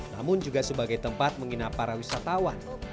namun juga sebagai tempat menginap para wisatawan